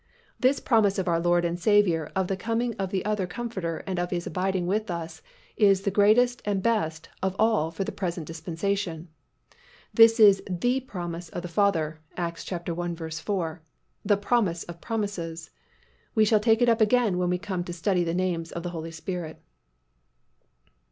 This promise of our Lord and Saviour of the coming of the other Comforter and of His abiding with us is the greatest and best of all for the present dispensation. This is the promise of the Father (Acts i. 4), the promise of promises. We shall take it up again when we come to study the names of the Holy Spirit.